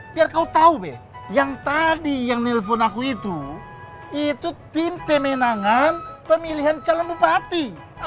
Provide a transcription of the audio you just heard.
biar kau tahu be yang tadi yang nelfon aku itu itu tim pemenangan pemilihan calon bupati